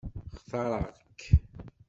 Xtareɣ-k.